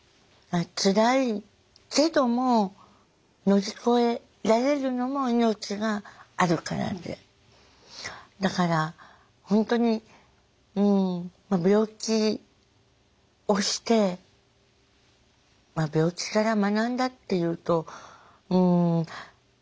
つらいけども乗り越えられるのも命があるからでだから本当に病気をしてまあ病気から学んだっていうとうん。